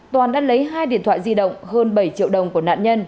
toàn đã lấy hai điện thoại di động hơn bảy triệu đồng của nạn nhân